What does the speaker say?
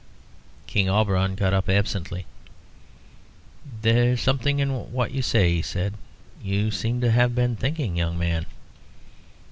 King Auberon got up absently. "There is something in what you say," he said. "You seem to have been thinking, young man."